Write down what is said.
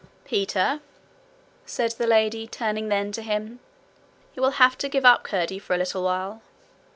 'Peter,' said the lady, turning then to him, 'you will have to give up Curdie for a little while.'